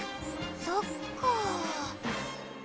そっか。